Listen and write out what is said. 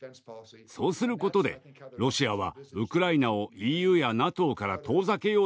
そうすることでロシアはウクライナをＥＵやＮＡＴＯから遠ざけようとしたのだと思います。